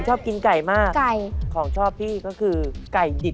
ชอบกินไก่มากไก่ของชอบพี่ก็คือไก่ดิบ